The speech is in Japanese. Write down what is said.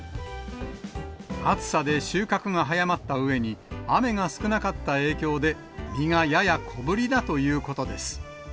暑さで収穫が早まったうえに、雨が少なかった影響で、実がやや小ぶりだということです。